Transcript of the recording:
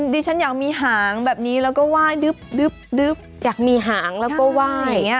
ดิฉันอยากมีหางแบบนี้แล้วก็ว่ายดึบอยากมีหางแล้วก็ว่าย